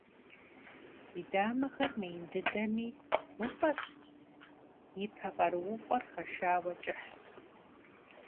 И дамэхэр мыин дыдэми, бгъуфӀэщ, и пэ къарууфӀэр хэшауэ кӀыхьщ.